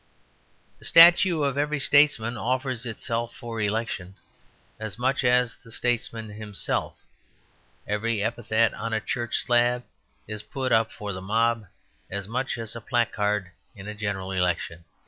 The statue of every statesman offers itself for election as much as the statesman himself. Every epitaph on a church slab is put up for the mob as much as a placard in a General Election.